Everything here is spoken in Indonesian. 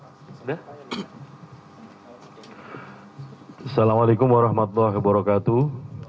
assalamualaikum warahmatullahi wabarakatuh